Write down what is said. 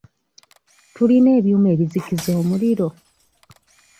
Tulina ebyuma ebizikiza omuliro?